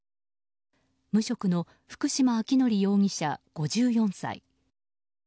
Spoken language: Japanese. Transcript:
無職の福島昭則容疑者、５４歳。